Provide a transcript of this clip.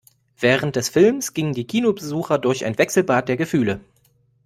Während des Films gingen die Kinobesucher durch ein Wechselbad der Gefühle.